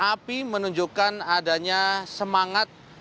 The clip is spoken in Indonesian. api menunjukkan adanya semangat